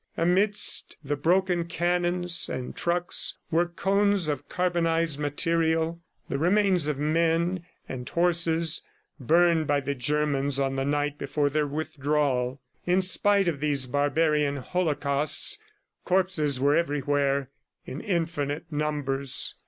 Amidst the broken cannons and trucks were cones of carbonized material, the remains of men and horses burned by the Germans on the night before their withdrawal. In spite of these barbarian holocausts corpses were every where in infinite numbers.